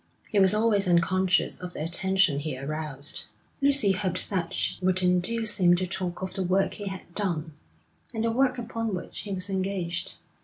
He was always unconscious of the attention he aroused. Lucy hoped that she would induce him to talk of the work he had done, and the work upon which he was engaged.